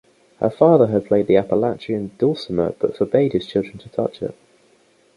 Her father had played the Appalachian dulcimer but forbade his children to touch it.